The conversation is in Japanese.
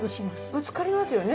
ぶつかりますよね？